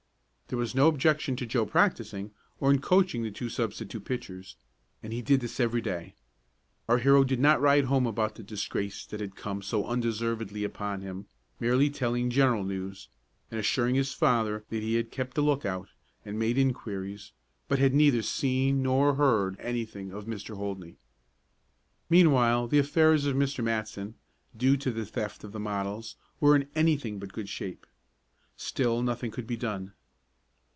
There was no objection to Joe practicing, or in coaching the two substitute pitchers, and he did this every day. Our hero did not write home about the disgrace that had come so undeservedly upon him, merely telling general news, and assuring his father that he had kept a lookout, and made inquiries, but had neither seen nor heard anything of Mr. Holdney. Meanwhile the affairs of Mr. Matson due to the theft of the models were in anything but good shape. Still nothing could be done.